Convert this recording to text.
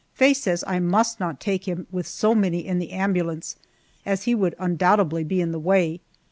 Faye says I must not take him with so many in the ambulance, as he would undoubtedly be in the way.